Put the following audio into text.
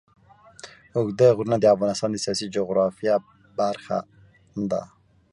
اوږده غرونه د افغانستان د سیاسي جغرافیه برخه ده.